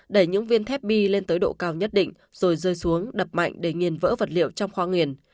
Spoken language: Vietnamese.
đẩy những viên thép bi lên tới độ cao nhất định rồi rơi xuống đập mạnh để nghiền vỡ vật liệu trong khoang nghiền